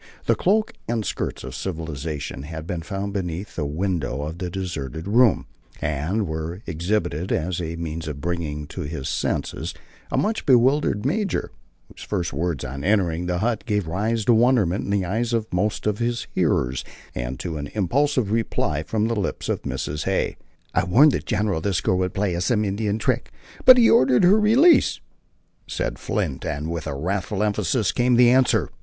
The cloak and skirts of civilization had been found beneath the window of the deserted room, and were exhibited as a means of bringing to his senses a much bewildered major, whose first words on entering the hut gave rise to wonderment in the eyes of most of his hearers, and to an impulsive reply from the lips of Mrs. Hay. "I warned the general that girl would play us some Indian trick, but he ordered her release," said Flint, and with wrathful emphasis came the answer.